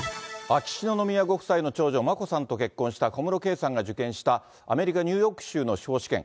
秋篠宮ご夫妻の長女、眞子さんと結婚した小室圭さんが受験したアメリカ・ニューヨーク州の司法試験。